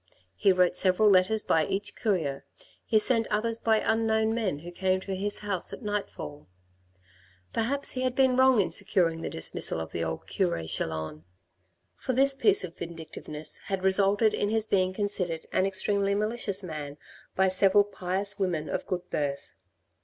He wrote several letters by each courier; he sent others by unknown men who came to his house at night fall. Perhaps he had been wrong in securing the dismissal of the old cure Chelan. For this piece of vindictiveness had resulted in his being considered an extremely malicious man by several pious women of good birth.